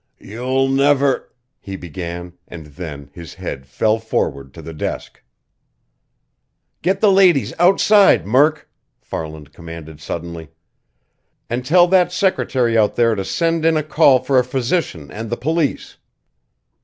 "You'll never " he began, and then his head fell forward to the desk. "Get the ladies outside, Murk!" Farland commanded suddenly. "And tell that secretary out there to send in a call for a physician and the police.